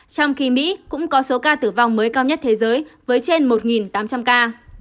trong khi mỹ cũng có số ca tử vong mới cao nhất thế giới với trên một tám trăm linh ca